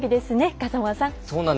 風間さん。